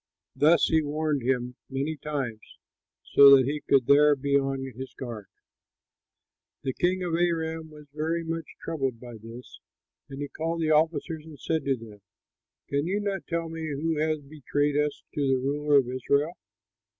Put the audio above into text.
Thus he warned him many times, so that he could there be on his guard. The king of Aram was very much troubled by this, and he called his officers and said to them, "Can you not tell me who has betrayed us to the ruler of Israel?"